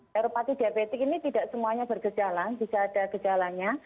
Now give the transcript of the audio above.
heropati diabetik ini tidak semuanya bergejala bisa ada gejalanya